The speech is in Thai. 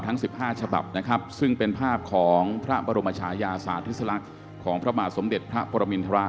ทั้ง๑๕ฉบับนะครับซึ่งเป็นภาพของพระบรมชายาสาธิสลักษณ์ของพระบาทสมเด็จพระปรมินทร